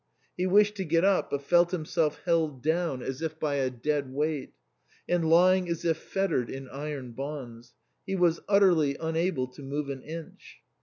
He wished to get up, but felt himself held down as if by d dead weight, and lying as if fettered in iron bonds ; he was utterly unable to move an inch.